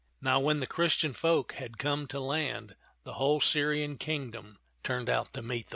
Now w^hen the Christian folk had come to land, the whole Syrian kingdom turned out to meet them.